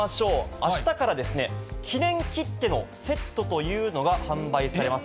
あしたから記念切手のセットというのが販売されます。